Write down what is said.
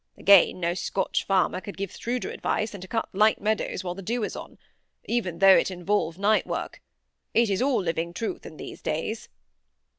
Again, no Scotch farmer could give shrewder advice than to cut light meadows while the dew is on, even though it involve night work. It is all living truth in these days."